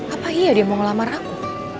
apa iya dia mau ngelamar ramu